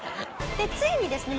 でついにですね